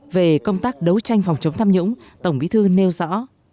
về công tác đấu tranh phòng chống tham nhũng tổng bí thư nêu rõ